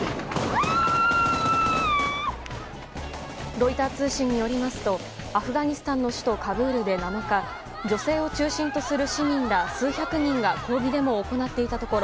ロイター通信によりますとアフガニスタンの首都カブールで７日女性を中心とする市民ら数百人が抗議デモを行っていたところ